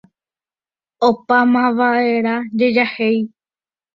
Opámavaʼerã jejahéi.